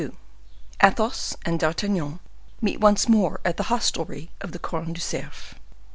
Athos and D'Artagnan meet once more at the Hostelry of the Corne du Cerf.